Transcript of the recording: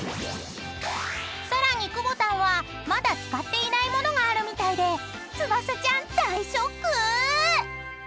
［さらにくぼたんはまだ使っていないものがあるみたいで翼ちゃん大ショック⁉］